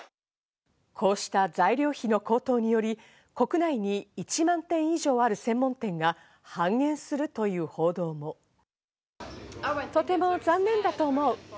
こうした材料費の高騰により、国内に１万店以上ある専門店が半減するという報道も。